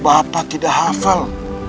bapak tidak hafal